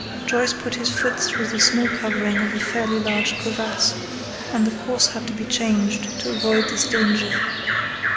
Joyce put his foot through the snow covering of a fairly large crevasse, and the course had to be changed to avoid this danger.